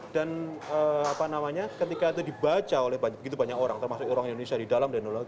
dan ketika itu dibaca oleh begitu banyak orang termasuk orang indonesia di dalam dan di luar